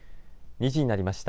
２時になりました。